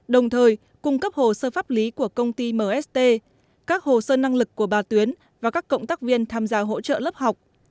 đồng thời cung cấp hồ sơ pháp lý của công ty mst các hồ sơ năng lực của bà tuyến và các cộng tác viên tham gia hỗ trợ lớp học